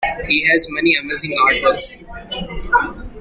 He has many amazing artworks.